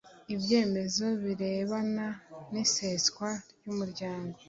Ibyemezo birebana n iseswa ry umuryango